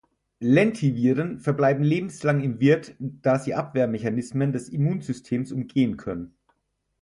Lentiviren verbleiben lebenslang im Wirt, da sie Abwehrmechanismen des Immunsystems umgehen können.